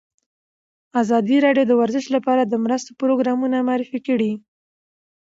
ازادي راډیو د ورزش لپاره د مرستو پروګرامونه معرفي کړي.